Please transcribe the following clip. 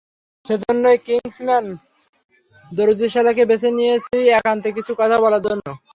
সেজন্যই কিংসম্যান দর্জিশালাকে বেছে নিয়েছি একান্তে কিছু কথা বলার জন্য।